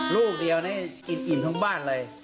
ลูกเดียวนี่อิ่มทั้งบ้านเลย